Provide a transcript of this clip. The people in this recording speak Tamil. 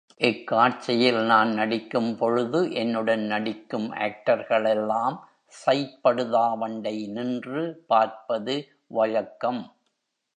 இக்காட்சியில் நான் நடிக்கும்பொழுது என்னுடன் நடிக்கும் ஆக்டர்களெல்லாம், சைட் படுதாவண்டை நின்று பார்ப்பது வழக்கம்.